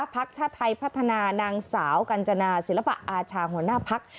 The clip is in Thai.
พักชาติไทยพัฒนานางสาวกัญจนาศิลปะอาชาหัวหน้าพัก